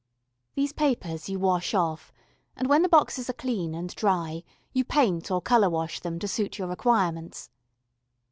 These papers you wash off, and when the boxes are clean and dry, you paint or colour wash them to suit your requirements.